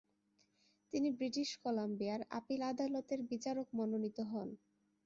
তিনি ব্রিটিশ কলাম্বিয়ার আপিল আদালতের বিচারক মনোনীত হন।